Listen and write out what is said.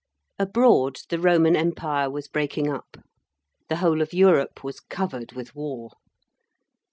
Abroad, the Roman Empire was breaking up. The whole of Europe was covered with war.